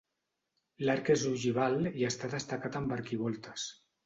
L'arc és ogival i està destacat amb arquivoltes.